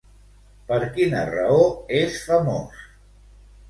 Per quina raó és famós?